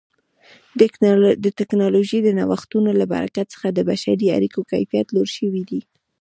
د ټکنالوژۍ د نوښتونو له برکت څخه د بشري اړیکو کیفیت لوړ شوی دی.